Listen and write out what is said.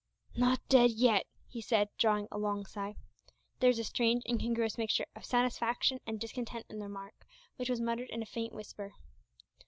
"Not dead yet!" he said, drawing a long sigh. There was a strange, incongruous mixture of satisfaction and discontent in the remark, which was muttered in a faint whisper.